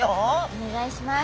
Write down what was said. お願いします。